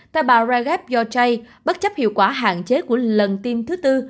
tại bà jareff bất chấp hiệu quả hạn chế của lần tiêm thứ tư